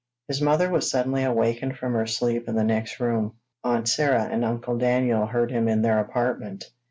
His mother was suddenly awakened from her sleep in the next room. Aunt Sarah and Uncle Daniel heard him in their apartment.